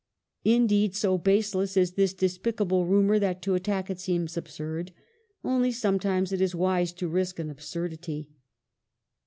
Indeed, so baseless is this despicable rumor that to attack it seems absurd, only sometimes it is wise to risk an absurdity.